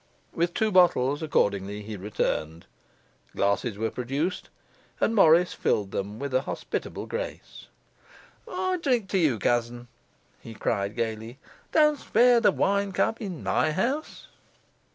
With two bottles, accordingly, he returned. Glasses were produced, and Morris filled them with hospitable grace. 'I drink to you, cousin!' he cried gaily. 'Don't spare the wine cup in my house.